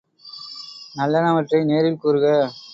நல்லனவற்றை நேரில் கூறுக.